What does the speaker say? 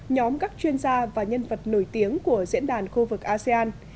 nhóm các chuyên gia và nhân vật nổi tiếng của diễn đàn khu vực asean